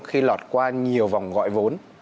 khi lọt qua nhiều vòng gọi vốn